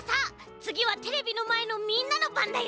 つぎはテレビのまえのみんなのばんだよ。